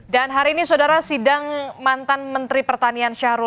dan hari ini saudara sidang mantan menteri pertanian syahrul